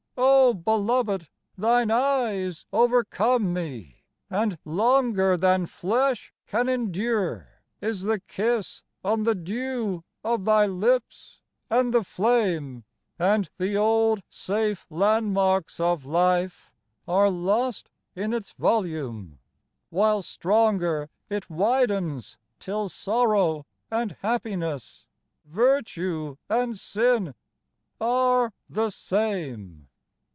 Oh, Beloved ! thine eyes over come me, and longer Than flesh can endure is the kiss on the dew of thy lips and the flame, And the old safe landmarks of life are lost in its volume, while stronger It widens till sorrow and happiness, virtue and sin, are the same